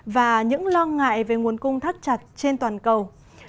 và những lo ngại về nguồn cung thắt chặt trên toàn cầu